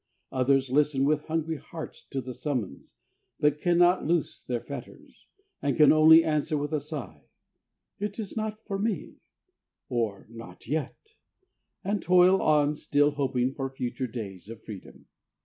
Others listen with hungry hearts to the summons, but cannot loose their fetters, and can only answer with a sigh, "It is not for me," or "Not yet," and toil on, still hoping for future days of freedom.